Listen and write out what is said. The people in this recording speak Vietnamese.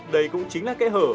đây cũng chính là cái hở